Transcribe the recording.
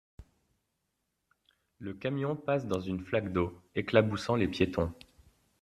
Le camion passe dans une flaque d’eau, éclaboussant les piétons.